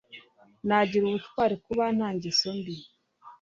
Nagira ubutwari kuba nta ngeso mbi